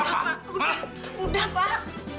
udah pak udah pak